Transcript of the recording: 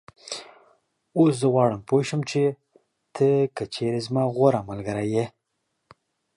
اوس زه غواړم پوی شم چې ته که چېرې زما غوره ملګری یې